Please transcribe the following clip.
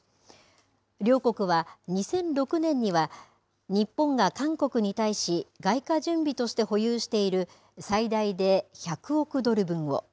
両国は２００６年には日本が韓国に対し外貨準備として保有している最大で１００億ドル分を。